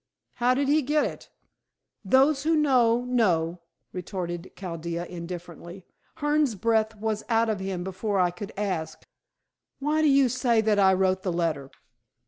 "How did he get it?" "Those who know, know," retorted Chaldea indifferently. "Hearne's breath was out of him before I could ask." "Why do you say that I wrote the letter?"